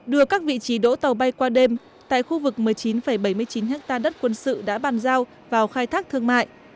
đưa các vị trí đỗ tàu bay qua đêm tại khu vực một mươi chín bảy mươi chín ha đất quân sự đã bàn giao vào khai thác thương mại